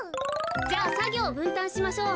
じゃあさぎょうをぶんたんしましょう。